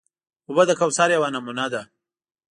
اوبه د کوثر یوه نمونه ده.